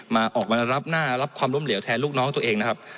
มาออกมารับของความร่มเหลวแทนน้องน้วตัวเองนะครับ